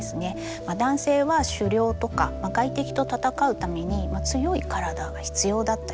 男性は狩猟とか外敵と戦うために強い体が必要だった時期が長かった。